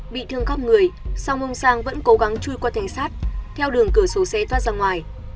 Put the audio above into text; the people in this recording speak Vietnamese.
bị thương khóc người song ông sang vẫn cố gắng chui qua thanh sát theo đường cửa số xe thoát ra ngoài